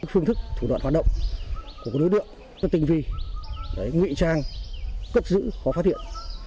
phương thức thủ đoạn hoạt động của đối tượng tinh vi nguy trang cất giữ khó phát hiện